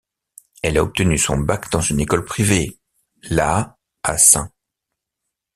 Elle a obtenu son bac dans une école privée, la à St.